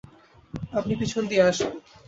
আপনি পিছন দিয়ে আসুন।